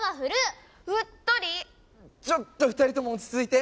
ちょっと２人とも落ち着いて。